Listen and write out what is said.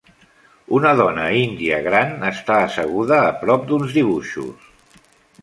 Una dona índia gran està asseguda a prop d'uns dibuixos.